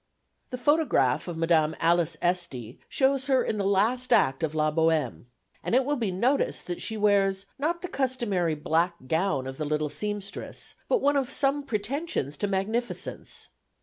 The photograph of Mdme. Alice Esty shows her in the last Act of La Bohème; and it will be noticed that she wears, not the customary black gown of the little seamstress, but one of some pretensions to magnificence.